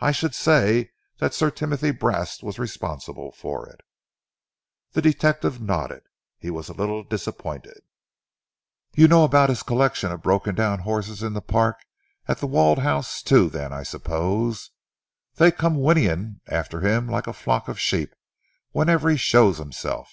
"I should say that Sir Timothy Brast was responsible for it." The detective nodded. He was a little disappointed. "You know about his collection of broken down horses in the park at The Walled House, too, then, I suppose? They come whinnying after him like a flock of sheep whenever he shows himself."